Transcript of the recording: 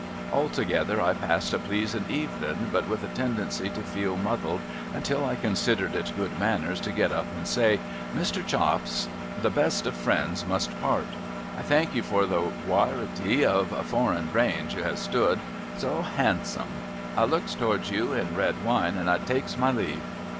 Altogether, I passed a i)leasin evenin, but with a tendency to feel muddled, until I considered it good manners to get up and say, ' Mr. Chops, the best of friends must part, I thank you for the wariety of foreign drains you have stood so 'ansome, I looks towards you in red wine, and I takes my leave.'